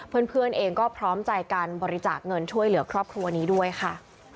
เพื่อนเองก็พร้อมใจการบริจาคเงินช่วยเหลือครอบครัวนี้ด้วยค่ะ